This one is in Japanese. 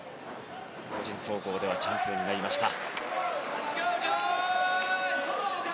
個人総合ではチャンピオンになりました。